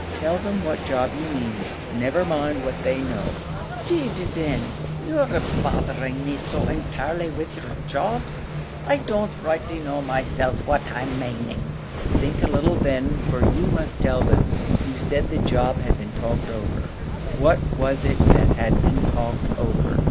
"Tell them what job you mean never mind what they know." "'Deed thin, you're bothering me so entirely with yer jobs, I don't rightly know myself which I'm maning." "Think a little then, for you must tell them; you said the job had been talked over; what was it that had been talked over?"